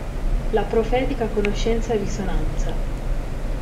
La profetica conoscenza-risonanza.